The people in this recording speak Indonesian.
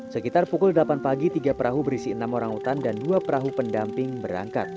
sekitar pukul delapan pagi tiga perahu berisi enam orang utan dan dua perahu pendamping berangkat